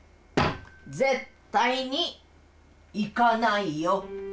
絶対に行かないよ！